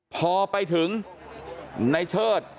กลับไปลองกลับ